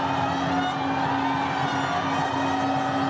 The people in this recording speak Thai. โอ้โอ้โอ้โอ้